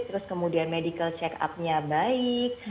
terus kemudian medical check up nya baik